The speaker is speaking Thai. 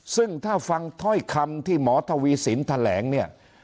ซึ่งถ้าฟังถ้อยคำที่หมอทวีสินแถลงเนี่ย